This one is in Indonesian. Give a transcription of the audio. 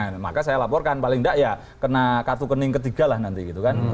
nah maka saya laporkan paling tidak ya kena kartu kening ketiga lah nanti gitu kan